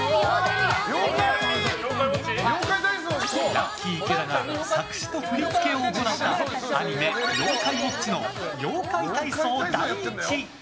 ラッキィ池田が作詞と振り付けを行ったアニメ「妖怪ウォッチ」の「ようかい体操第一」。